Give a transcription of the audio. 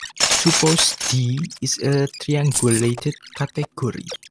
Suppose "D" is a triangulated category.